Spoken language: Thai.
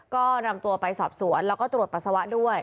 ก็นำตัวไปสอบสวนแล้วก็ตรวจปัสสาวะด้วย